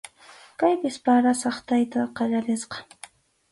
Kaypis para saqtayta qallarisqa.